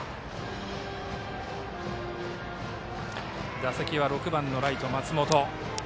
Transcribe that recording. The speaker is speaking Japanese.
打席は６番ライトの松本。